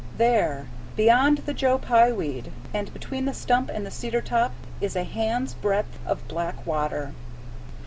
There, beyond the Joe Pye weed, and between the stump and the cedar top, is a hand's breadth of black water.